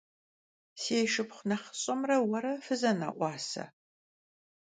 Si şşıpxhu nexhış'emre vuere fızene'uase?